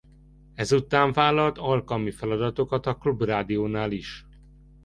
Ezután vállalt alkalmi feladatokat a Klubrádiónál is.